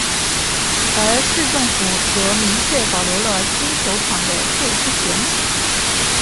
而市政府则明确保留了新球场的最初选址。